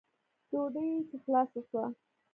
ډوډۍ چې خلاصه سوه.